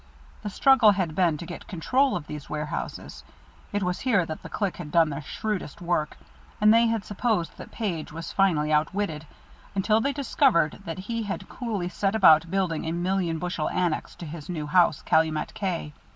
The struggle had been to get control of these warehouses. It was here that the Clique had done their shrewdest work, and they had supposed that Page was finally outwitted, until they discovered that he had coolly set about building a million bushel annex to his new house, Calumet K.